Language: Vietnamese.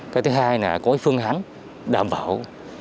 cái thứ hai là có phương hãng đảm bảo